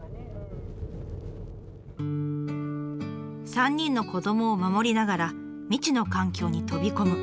３人の子どもを守りながら未知の環境に飛び込む。